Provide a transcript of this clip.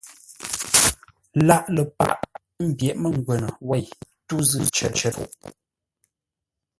Laghʼ ləpâʼ ḿbyéʼ mə́ngwə́nə wêi tû zʉ́ cər ləpfuʼ.